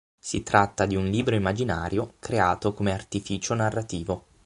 Si tratta di un libro immaginario, creato come artificio narrativo.